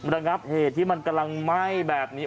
ระงับเหตุที่มันกำลังไหม้แบบนี้